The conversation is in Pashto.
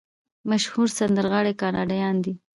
مشهور سندرغاړي کاناډایان دي.